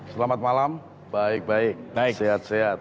selamat malam baik baik sehat sehat